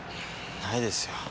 ないですよ。